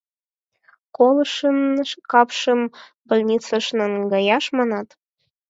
Колышын капшым больницыш наҥгаяш, манат?